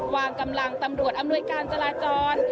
วางกำลังตำรวจอำนวยการจราจร